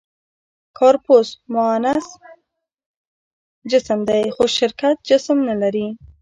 «کارپوس» معنس جسم دی؛ خو شرکت جسم نهلري.